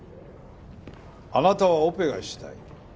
あなたはオペがしたい。